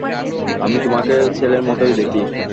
আমি তোমাকে ছেলের মতই দেখি।